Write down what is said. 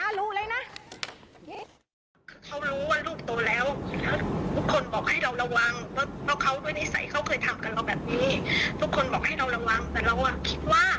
เขารู้ว่าลูกโตแล้วทุกคนบอกให้เราระวัง